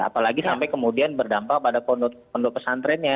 apalagi sampai kemudian berdampak pada pondok pesantrennya